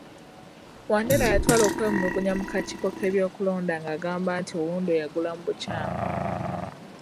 Wandera yatwala okwemulugunya mu kakiiko k'ebyokulonda ng'agamba nti Oundo yagula mu bukyamu